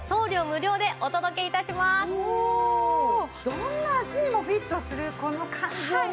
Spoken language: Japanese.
どんな足にもフィットするこの感じをね